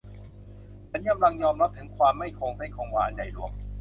ฉันกำลังยอมรับถึงความไม่คงเส้นคงวาอันใหญ่หลวง